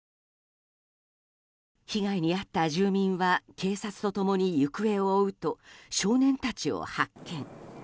被害にあった住民は警察と共に行方を追うと少年たちを発見。